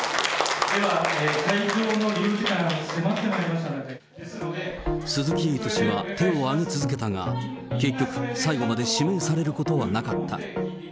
では会場の利用時間、鈴木エイト氏は手を挙げ続けたが、結局、最後まで指名されることはなかった。